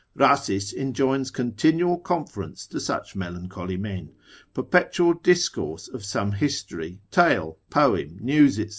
Rhasis enjoins continual conference to such melancholy men, perpetual discourse of some history, tale, poem, news, &c.